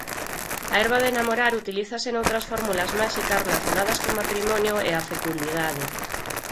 A herba de namorar utilízase noutras fórmulas máxicas relacionadas co matrimonio e a fecundidade.